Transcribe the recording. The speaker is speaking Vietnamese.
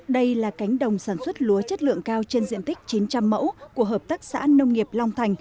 đây là cánh đồng sản xuất lúa chất lượng cao trên diện tích chín trăm linh mẫu của hợp tác xã nông nghiệp long thành